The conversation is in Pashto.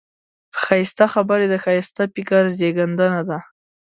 ښایسته خبرې د ښایسته فکر زېږنده ده